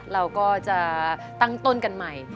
เราก็จะตั้งต้นกันใหม่